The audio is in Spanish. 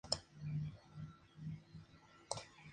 Agrupa a tres especies originarias de las selvas de Australasia.